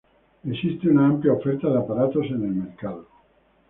Existe una amplia oferta de aparatos en el mercado.